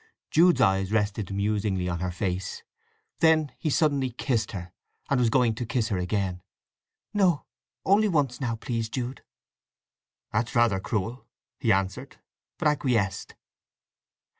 Jude's eyes rested musingly on her face. Then he suddenly kissed her; and was going to kiss her again. "No—only once now—please, Jude!" "That's rather cruel," he answered; but acquiesced.